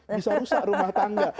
bisa rusak rumah tangga